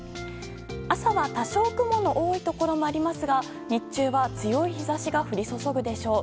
朝は、多少雲の多いところもありますが日中は強い日差しが降り注ぐでしょう。